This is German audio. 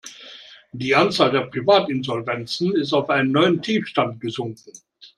Die Anzahl der Privatinsolvenzen ist auf einen neuen Tiefstand gesunken.